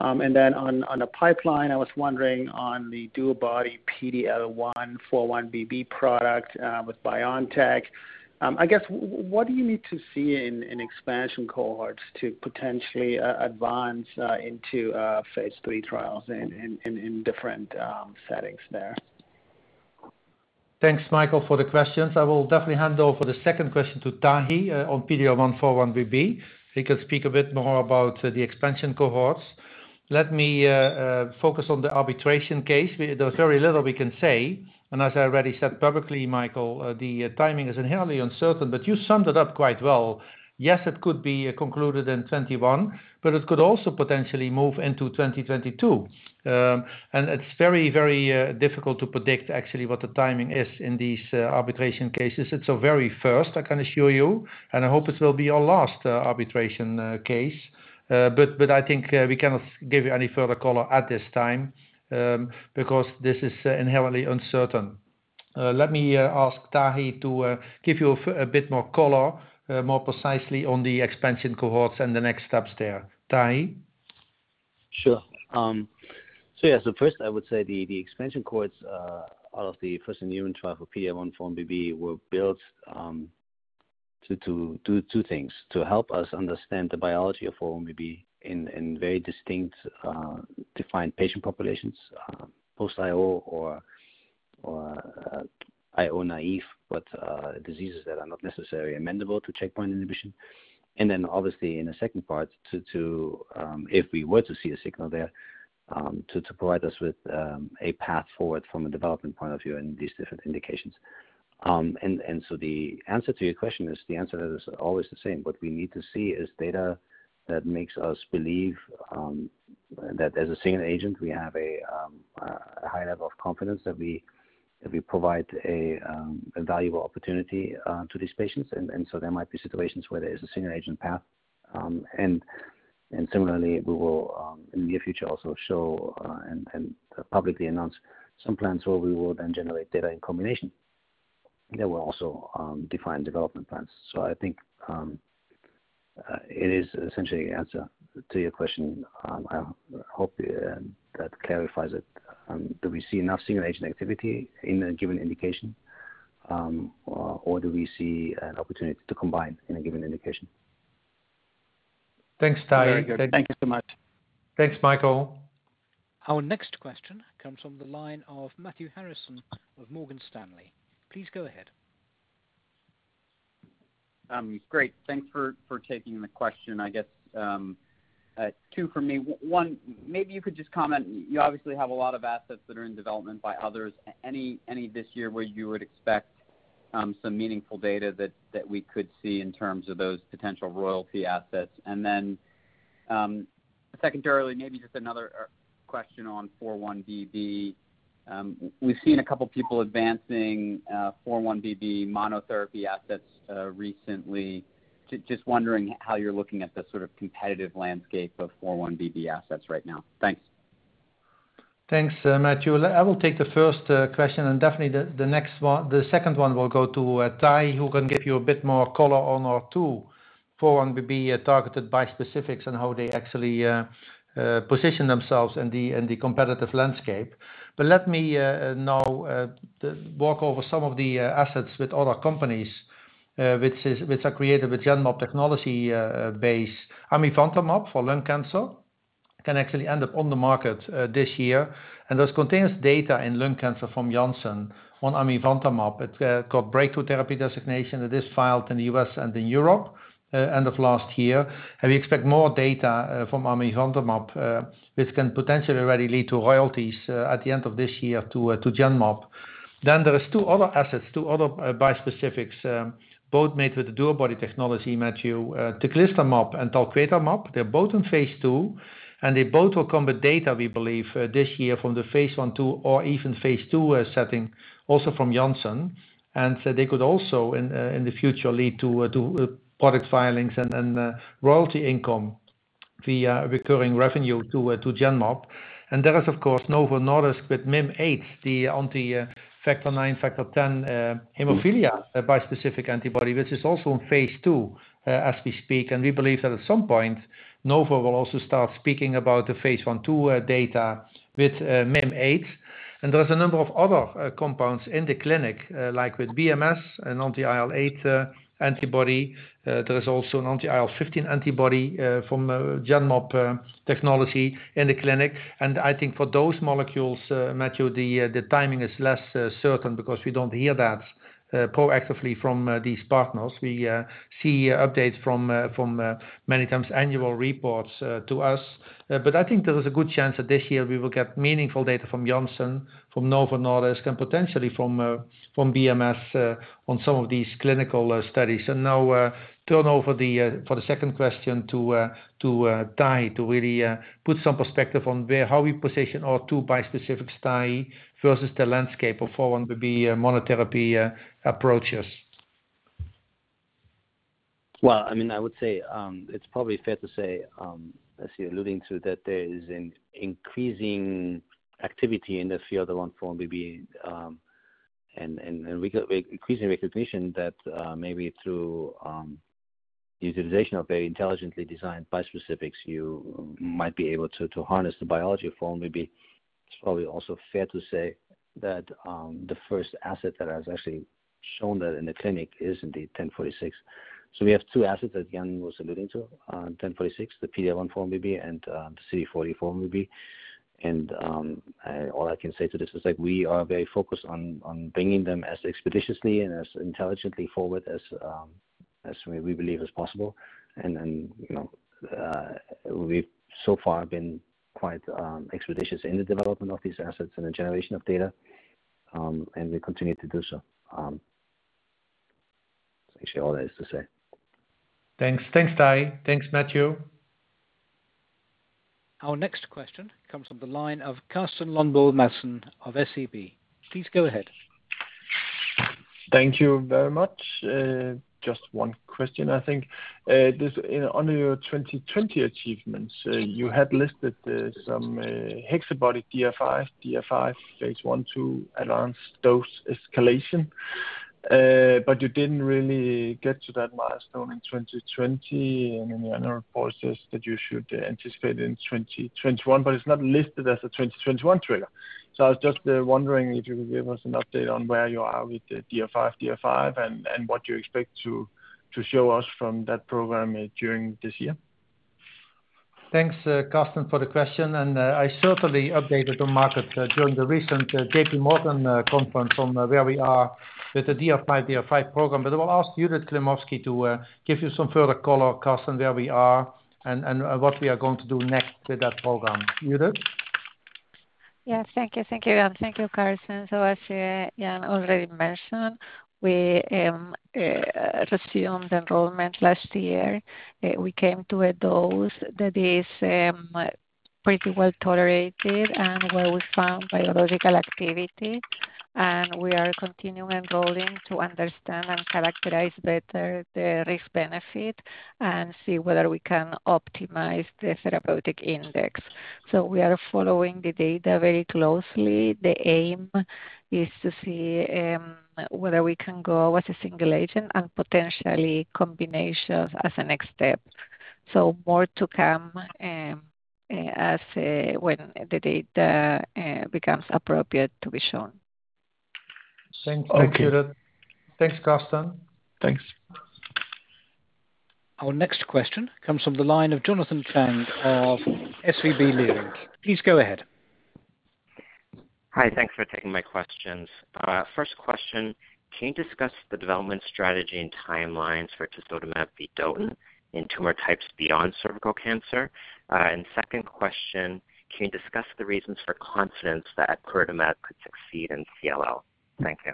On the pipeline, I was wondering on the DuoBody PD-L1x4-1BB product with BioNTech. I guess, what do you need to see in expansion cohorts to potentially advance into phase III trials in different settings there? Thanks, Michael, for the questions. I will definitely hand over the second question to Tahi on PD-L1x4-1BB. He can speak a bit more about the expansion cohorts. Let me focus on the arbitration case. There's very little we can say, and as I already said publicly, Michael, the timing is inherently uncertain. You summed it up quite well. Yes, it could be concluded in 2021, but it could also potentially move into 2022. It's very difficult to predict actually what the timing is in these arbitration cases. It's our very first, I can assure you, and I hope it will be our last arbitration case. I think we cannot give you any further color at this time, because this is inherently uncertain. Let me ask Tahi to give you a bit more color, more precisely on the expansion cohorts and the next steps there. Tahi? Sure. First, I would say the expansion cohorts out of the first IMMUNE trial for PD-L1/4-1BB were built to do two things. To help us understand the biology of 4-1BB in very distinct, defined patient populations, post-IO or IO-naive, but diseases that are not necessarily amenable to checkpoint inhibition. Obviously in the second part, if we were to see a signal there, to provide us with a path forward from a development point of view in these different indications. The answer to your question is the answer is always the same. What we need to see is data that makes us believe that as a single agent, we have a high level of confidence that we provide a valuable opportunity to these patients. There might be situations where there is a single agent path. Similarly, we will, in the near future, also show and publicly announce some plans where we will then generate data in combination that will also define development plans. I think it is essentially the answer to your question. I hope that clarifies it. Do we see enough single agent activity in a given indication? Do we see an opportunity to combine in a given indication? Thanks, Tahi. Very good. Thank you so much. Thanks, Michael. Our next question comes from the line of Matthew Harrison of Morgan Stanley. Please go ahead. Great. Thanks for taking the question. I guess, two from me. One, maybe you could just comment, you obviously have a lot of assets that are in development by others. Any this year where you would expect some meaningful data that we could see in terms of those potential royalty assets? Secondarily, maybe just another question on 4-1BB. We've seen a couple people advancing 4-1BB monotherapy assets recently. Just wondering how you're looking at the sort of competitive landscape of 4-1BB assets right now. Thanks. Thanks, Matthew. I will take the first question. Definitely the second one will go to Tahi, who can give you a bit more color on our two 4-1BB targeted bispecifics and how they actually position themselves in the competitive landscape. Let me now walk over some of the assets with other companies, which are created with Genmab technology base. Amivantamab for lung cancer can actually end up on the market this year. This contains data in lung cancer from Janssen on amivantamab. It got breakthrough therapy designation. It is filed in the U.S. and in Europe end of last year. We expect more data from amivantamab, which can potentially already lead to royalties at the end of this year to Genmab. There is two other assets, two other bispecifics, both made with the DuoBody technology, Matthew. Teclistamab and talquetamab, they're both in phase II. They both will come with data, we believe, this year from the phase I/II or even phase II setting, also from Janssen. They could also, in the future, lead to product filings and royalty income via recurring revenue to Genmab. There is, of course, Novo Nordisk with Mim8, the on the factor IX, factor X hemophilia bispecific antibody, which is also in phase II as we speak. We believe that at some point, Novo will also start speaking about the phase I/II data with Mim8. There is a number of other compounds in the clinic, like with BMS and anti-IL-8 antibody. There is also an anti-IL-15 antibody from Genmab technology in the clinic. I think for those molecules, Matthew, the timing is less certain because we don't hear that proactively from these partners. We see updates from many times annual reports to us. I think there is a good chance that this year we will get meaningful data from Janssen, from Novo Nordisk, and potentially from BMS on some of these clinical studies. Now, turn over for the second question to Tai to really put some perspective on how we position our two bispecifics Tai, versus the landscape of 4-1BB monotherapy approaches. Well, I would say, it's probably fair to say, as you're alluding to, that there is an increasing activity in the field of 4-1BB, and increasing recognition that maybe through utilization of very intelligently designed bispecifics, you might be able to harness the biology of 4-1BB. It's probably also fair to say that the first asset that has actually shown that in the clinic is indeed GEN-1046. We have two assets that Jan was alluding to, GEN-1046, the PD-L1x4-1BB and the CD40x4-1BB. All I can say to this is that we are very focused on bringing them as expeditiously and as intelligently forward as we believe is possible. We've so far been quite expeditious in the development of these assets and the generation of data, and we continue to do so. It's actually all there is to say. Thanks. Thanks, Tahi. Thanks, Matthew. Our next question comes from the line of Carsten Lønberg Madsen of SEB. Please go ahead. Thank you very much. Just one question. I think under your 2020 achievements, you had listed some HexaBody-DR5/DR5 phase I/II advanced dose escalation. You didn't really get to that milestone in 2020. In the annual report it says that you should anticipate in 2021, but it's not listed as a 2021 trigger. I was just wondering if you could give us an update on where you are with the DR5/DR5, and what you expect to show us from that program during this year. Thanks, Carsten, for the question. I certainly updated the market during the recent JPMorgan Conference on where we are with the DR5 program. I will ask Judith Klimovsky to give you some further color, Carsten, where we are and what we are going to do next with that program. Judith? Yes. Thank you. Thank you, Jan. Thank you, Carsten. As Jan already mentioned, we resumed enrollment last year. We came to a dose that is pretty well-tolerated and where we found biological activity. We are continuing enrolling to understand and characterize better the risk-benefit and see whether we can optimize the therapeutic index. We are following the data very closely. The aim is to see whether we can go with a single agent and potentially combinations as a next step. More to come when the data becomes appropriate to be shown. Thanks. Thanks, Judith. Thanks, Carsten. Thanks. Our next question comes from the line of Jonathan Chang of SVB Leerink. Please go ahead. Hi. Thanks for taking my questions. First question, can you discuss the development strategy and timelines for tisotumab vedotin in tumor types beyond cervical cancer? Second question, can you discuss the reasons for confidence that epcoritamab could succeed in CLL? Thank you.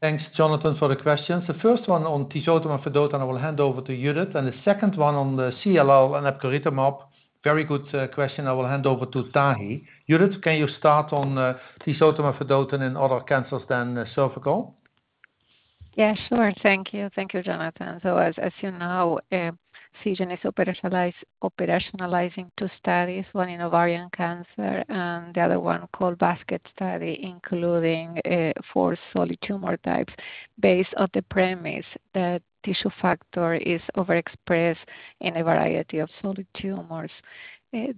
Thanks, Jonathan, for the questions. The first one on tisotumab vedotin, I will hand over to Judith, and the second one on the CLL and epcoritamab, very good question, I will hand over to Tahi. Judith, can you start on tisotumab vedotin in other cancers than cervical? Yeah, sure. Thank you. Thank you, Jonathan. As you know, Seagen is operationalizing two studies, one in ovarian cancer and the other one called basket study, including four solid tumor types based on the premise that tissue factor is overexpressed in a variety of solid tumors.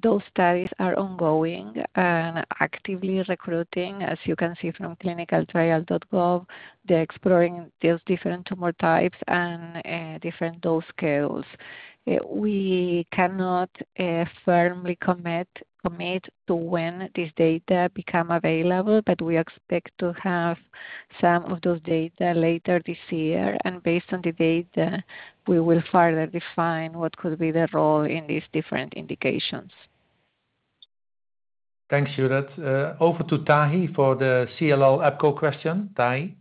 Those studies are ongoing and actively recruiting, as you can see from clinicaltrial.gov. They're exploring those different tumor types and different dose scales. We cannot firmly commit to when this data become available, but we expect to have some of those data later this year, and based on the data, we will further define what could be the role in these different indications. Thanks, Judith. Over to Tahi for the CLL Epco question. Tahi.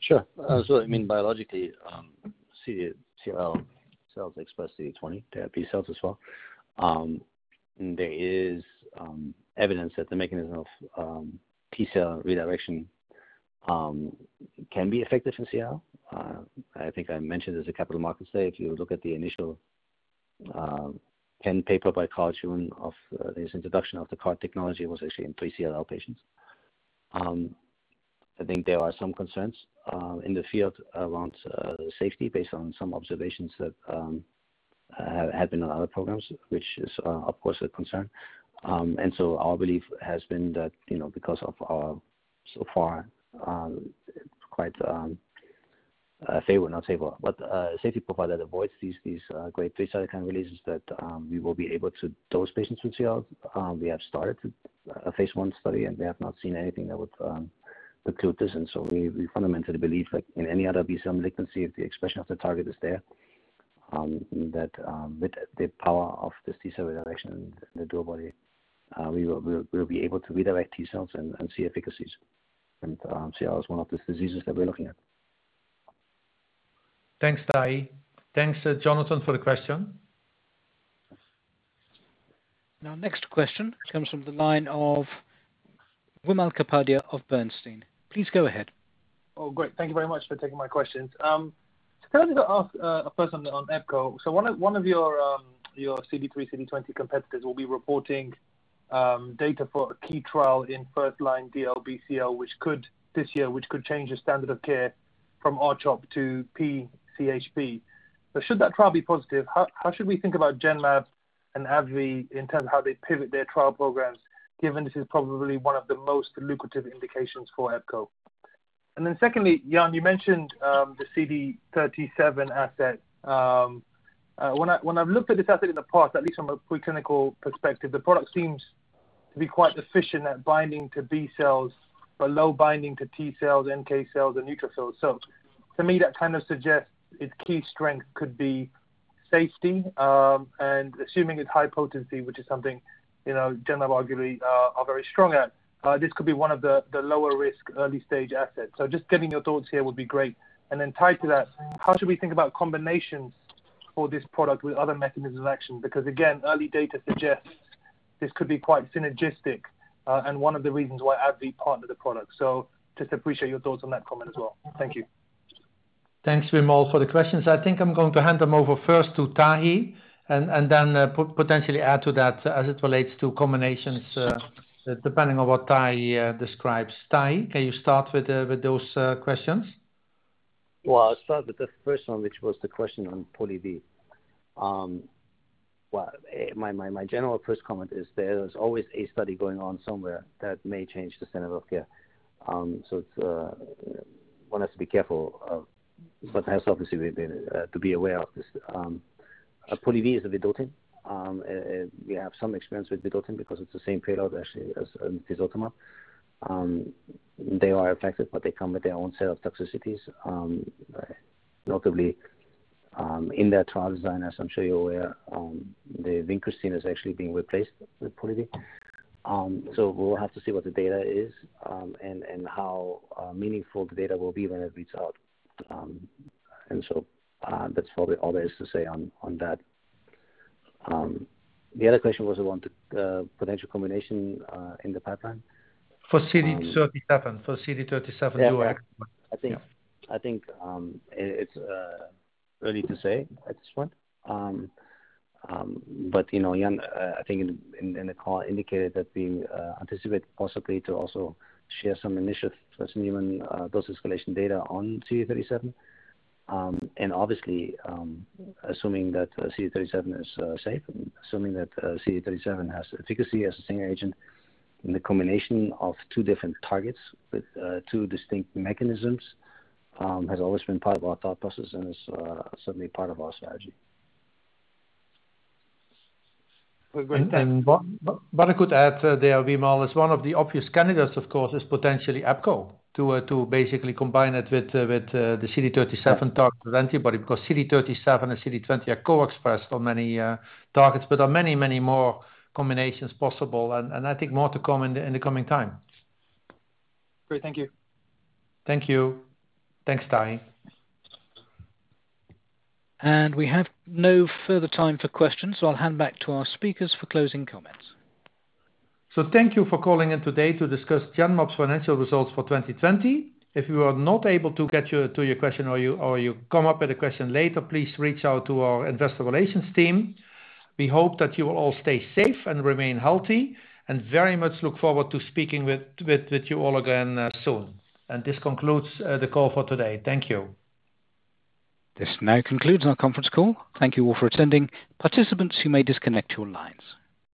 Sure. I mean, biologically, CLL-cells express CD20, their B-cells as well. There is evidence that the mechanism of T-cell redirection can be effective in CLL. I think I mentioned this at Capital Markets Day. If you look at the initial seminal paper by Carl June of his introduction of the CAR technology was actually in pre-CLL patients. I think there are some concerns in the field around safety based on some observations that have been on other programs, which is of course a concern. Our belief has been that because of our, so far, quite favorable, not favorable, but safety profile that avoids these great cytokine releases, that we will be able to dose patients with CLL. We have started a phase I study, and we have not seen anything that would preclude this. We fundamentally believe, like in any other B-cell malignancy, if the expression of the target is there, that with the power of this T-cell redirection and the DuoBody, we'll be able to redirect T-cells and see efficacies. CLL is one of the diseases that we're looking at. Thanks, Tahi. Thanks, Jonathan, for the question. Next question comes from the line of Wimal Kapadia of Bernstein. Please go ahead. Great. Thank you very much for taking my questions. Can I just ask a first one on Epco. One of your CD3/CD20 competitors will be reporting data for a key trial in first-line DLBCL this year, which could change the standard of care from R-CHOP to Pola-R-CHP. Should that trial be positive, how should we think about Genmab and AbbVie in terms of how they pivot their trial programs, given this is probably one of the most lucrative indications for Epco? Secondly, Jan, you mentioned the CD37 asset. When I've looked at this asset in the past, at least from a preclinical perspective, the product seems to be quite efficient at binding to B-cells, but low binding to T-cells, NK-cells, and neutrophils. To me, that kind of suggests its key strength could be safety. Assuming it's high potency, which is something Genmab arguably are very strong at, this could be one of the lower risk early stage assets. Just getting your thoughts here would be great. Then tied to that, how should we think about combinations for this product with other mechanisms of action? Again, early data suggests this could be quite synergistic and one of the reasons why AbbVie partnered the product. Just appreciate your thoughts on that comment as well. Thank you. Thanks, Wimal, for the questions. I think I'm going to hand them over first to Tahi and then potentially add to that as it relates to combinations, depending on what Tahi describes. Tahi, can you start with those questions? Well, I'll start with the first one, which was the question on POLIVY. Well, my general first comment is there's always a study going on somewhere that may change the standard of care. One has to be careful of, but has obviously to be aware of this. POLIVY is a vedotin. We have some experience with vedotin because it's the same payload actually as tisotumab. They are effective, but they come with their own set of toxicities. Notably, in their trial design, as I'm sure you're aware, the vincristine is actually being replaced with POLIVY. We'll have to see what the data is and how meaningful the data will be when it reads out. That's probably all there is to say on that. The other question was around the potential combination in the pipeline. For CD37 dual. I think it's early to say at this point. Jan, I think in the call indicated that we anticipate possibly to also share some initial first human dose escalation data on CD37. Obviously, assuming that CD37 is safe and assuming that CD37 has efficacy as a single agent in the combination of two different targets with two distinct mechanisms, has always been part of our thought process and is certainly part of our strategy. Go ahead. What I could add there, Wimal, is one of the obvious candidates, of course, is potentially Epco, to basically combine it with the CD37 target antibody, because CD37 and CD20 are co-expressed on many targets. There are many more combinations possible, and I think more to come in the coming time. Great. Thank you. Thank you. Thanks, Tahi. We have no further time for questions, so I'll hand back to our speakers for closing comments. Thank you for calling in today to discuss Genmab's financial results for 2020. If we were not able to get to your question or you come up with a question later, please reach out to our investor relations team. We hope that you will all stay safe and remain healthy, very much look forward to speaking with you all again soon. This concludes the call for today. Thank you. This now concludes our conference call. Thank you all for attending. Participants, you may disconnect your lines.